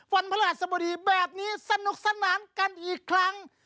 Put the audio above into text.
วันพระราชบดีแบบนี้สนุกสนานกันอีกครั้ง